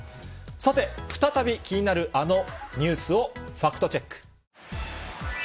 さて、再び気になるあのニュースをファクトチェック。